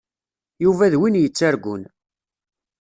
Yuba d win yettargun.